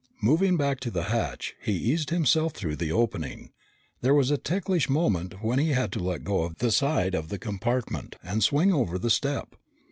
Moving back to the hatch, he eased himself through the opening. There was a ticklish moment when he had to let go of the side of the compartment and swing over on the step.